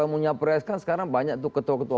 yang mau nyapres kan sekarang banyak tuh ketua ketua